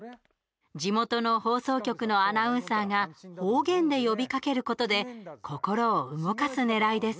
地元の放送局のアナウンサーが方言で呼びかけることで心を動かすねらいです。